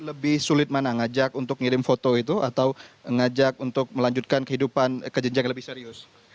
lebih sulit mana ngajak untuk ngirim foto itu atau ngajak untuk melanjutkan kehidupan ke jenjang yang lebih serius